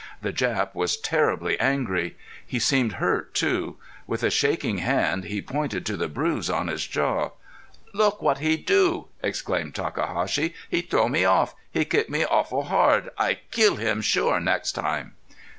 The Jap was terribly angry. He seemed hurt, too. With a shaking hand he pointed to the bruise on his jaw. "Look what he do!" exclaimed Takahashi. "He throw me off!... He kick me awful hard! I kill him sure next time."